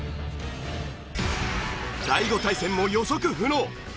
第５対戦も予測不能。